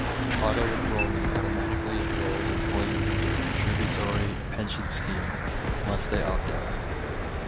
Auto-enrolment automatically enrols employees into a contributory pension scheme, unless they opt out.